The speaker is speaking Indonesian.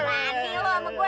berani lu sama gue